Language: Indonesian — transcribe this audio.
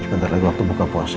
sebentar lagi waktu buka puasa